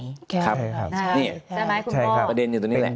ใช่ไหมคุณพ่อประเด็นอยู่ตรงนี้แหละ